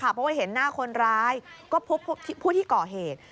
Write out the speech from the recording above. เพราะว่าเห็นหน้าคนร้ายก็พบผู้ที่ก่อเหตุ